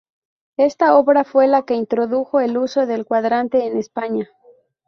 Esta obra fue la que introdujo el uso del cuadrante en España.